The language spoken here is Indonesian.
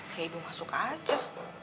ya ibu masuk aja